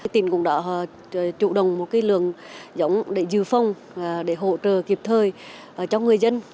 tiền cũng đã chủ đồng một lượng giống để dư phong để hỗ trợ kịp thời cho người dân